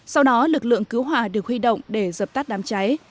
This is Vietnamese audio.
sau đó lực lượng cứu hỏa được huy động để dập tắt đám cháy